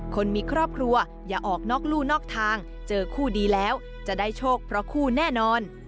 คนมีครอบครัวอย่าออกนอกลู่นอกทางเจอคู่ดีแล้วจะได้โชคเพราะคู่แน่นอน